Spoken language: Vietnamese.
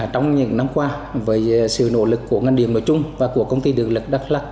trong những năm qua với sự nỗ lực của ngành điện nói chung và của công ty điện lực đắk lắc